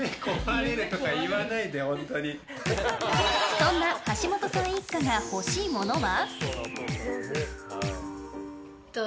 そんな橋本さん一家が欲しいものは。